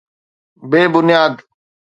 بي بنياد.